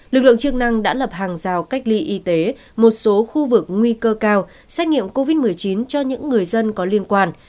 lực lượng chức năng đã lập hàng rào cách ly y tế một số khu vực nguy cơ cao xét nghiệm covid một mươi chín cho những người dân có liên quan